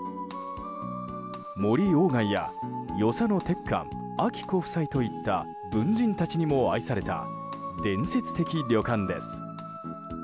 森鴎外や与謝野鉄幹・晶子夫妻といった文人たちにも愛された伝説的旅館です。